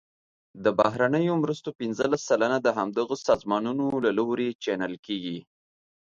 د بهرنیو مرستو پنځلس سلنه د همدغه سازمانونو له لوري چینل کیږي.